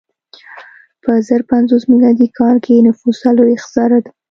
په زر پنځوس میلادي کال کې نفوس څلوېښت زره و.